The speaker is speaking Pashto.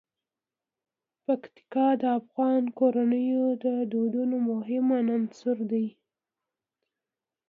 پکتیکا د افغان کورنیو د دودونو مهم عنصر دی.